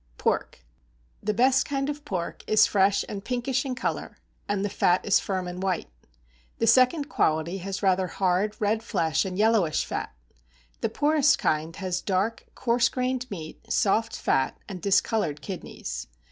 =Pork.= The best kind of pork is fresh and pinkish in color, and the fat is firm and white. The second quality has rather hard, red flesh, and yellowish fat. The poorest kind has dark, coarse grained meat, soft fat, and discoloured kidneys.